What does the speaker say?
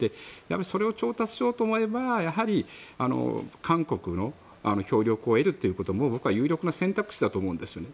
それを調達しようと思えばやはり韓国の協力を得るということも僕は有力な選択肢だと思うんですよね。